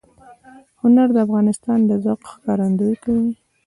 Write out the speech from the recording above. هنر د انسان د ذوق ښکارندویي کوي.